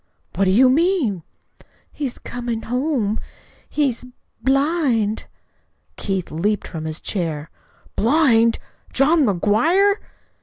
"What do you mean?" "He's coming home. He's blind." Keith leaped from his chair. "BLIND? JOHN McGUIRE?"